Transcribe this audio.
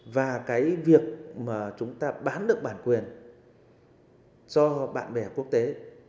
và cái việc mà chúng ta bán được bản quyền cho bạn bè quốc tế